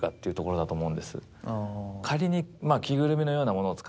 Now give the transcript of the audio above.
仮に。